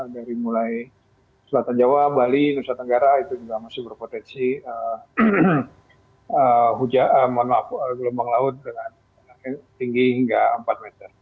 dari mulai selatan jawa bali nusa tenggara itu juga masih berpotensi mohon maaf gelombang laut dengan tinggi hingga empat meter